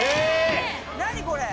何これ！